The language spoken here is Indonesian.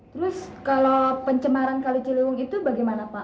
terus kalau pencemaran kali ciliwung itu bagaimana pak